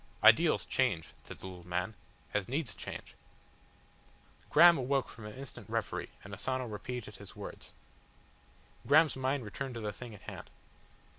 "Ideals change," said the little man, "as needs change." Graham awoke from an instant reverie and Asano repeated his words. Graham's mind returned to the thing at hand.